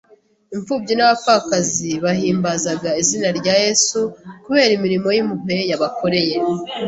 Imfubyi n'abapfakazi bahimbazaga izina rya Yesu kubera imirimo y'impuhwe yabakoreye.